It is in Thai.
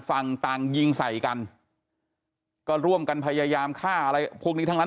ฝั่งต่างยิงใส่กันก็ร่วมกันพยายามฆ่าอะไรพวกนี้ทั้งนั้น